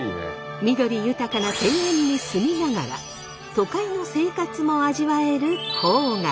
緑豊かな庭園に住みながら都会の生活も味わえる郊外。